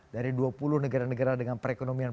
dari dua puluh negara negara dengan perekonomian